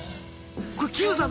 これキムさん